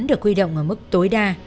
được quy động ở mức tối đa